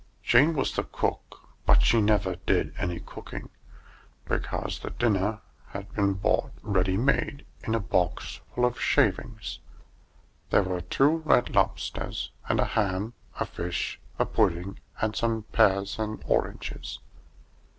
Jane was the Cook; but she never did any cooking, because the dinner had been bought ready made, in a box full of shavings. There were two red lobsters and a ham, a fish, a pudding, and some pears and oranges.